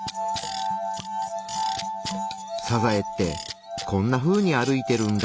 サザエってこんなふうに歩いてるんだ。